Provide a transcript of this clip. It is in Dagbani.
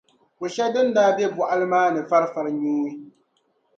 ko’ shɛli din daa be bɔɣili maa ni farifari nyuui.